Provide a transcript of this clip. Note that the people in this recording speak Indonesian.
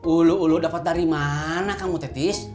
ulu ulu dapat dari mana kamu tetis